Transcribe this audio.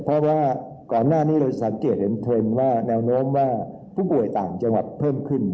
เพราะว่าก่อนหน้านี้เราสังเกตเห็นเทรนด์ว่าแนวโน้มว่าผู้ป่วยต่างจังหวัดเพิ่มขึ้น